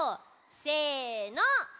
せの。